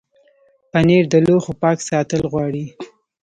پنېر د لوښو پاک ساتل غواړي.